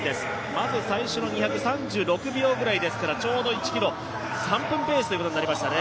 まず最初の２００、３６秒ぐらいですからちょうど１ｋｍ３分ペースということになりましたね。